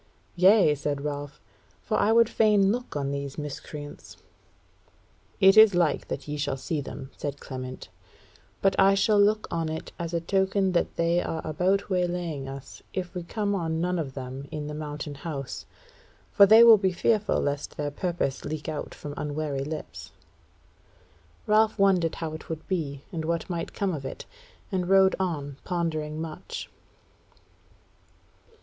"Yea," said Ralph, "for I would fain look on these miscreants." "It is like that ye shall see them," said Clement; "but I shall look on it as a token that they are about waylaying us if we come on none of them in the Mountain House. For they will be fearful lest their purpose leak out from unwary lips." Ralph wondered how it would be, and what might come of it, and rode on, pondering much.